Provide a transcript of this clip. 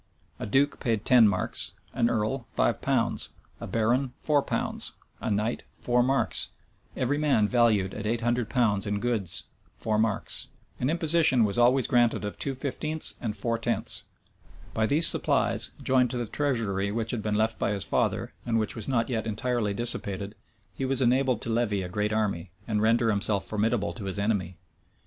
A duke paid ten marks, an earl five pounds, a baron four pounds, a knight four marks; every man valued at eight hundred pounds in goods, four marks. An imposition was also granted of two fifteenths and four tenths.[] By these supplies, joined to the treasure which had been left by his father, and which was not yet entirely dissipated, he was enabled to levy a great army, and render himself formidable to his enemy.